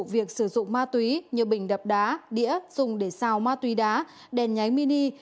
việc sử dụng ma túy như bình đập đá đĩa dùng để sao ma túy đá đèn nháy mini